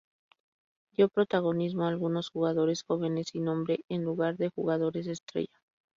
Dio protagonismo a algunos jugadores jóvenes sin nombre en lugar de jugadores estrella.